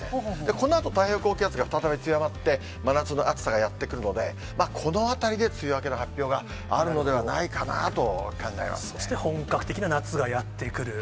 このあと太平洋高気圧が再び強まって、真夏の暑さがやって来るので、この辺りで梅雨明けの発表がそして本格的な夏がやって来る。